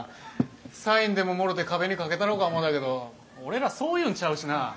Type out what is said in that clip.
サインでももろうて壁に掛けたろか思たけど俺らそういうんちゃうしな。